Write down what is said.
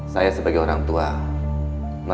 tapi sekarang wulan terus untuk mimpi nei